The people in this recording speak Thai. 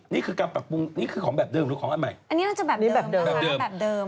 นี่คือการปรับปรุงนี่คือของแบบเดิมหรือของอันใหม่